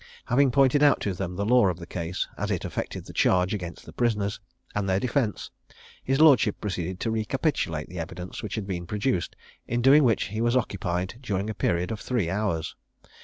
Having pointed out to them the law of the case, as it affected the charge against the prisoners, and their defence, his lordship proceeded to recapitulate the evidence which had been produced, in doing which he was occupied during a period of three hours.